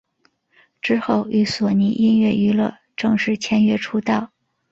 之后与索尼音乐娱乐正式签约出道。